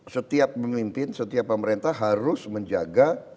setiap pemimpin setiap pemerintah harus menjaga